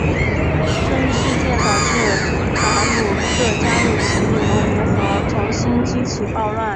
这一事件导致塔鲁克加入起义农民和重新激起暴乱。